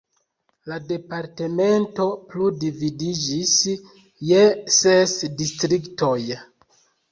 La departemento plu dividiĝis je ses distriktoj.